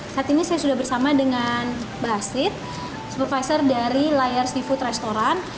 saat ini saya sudah bersama dengan basit supervisor dari layar seafood restoran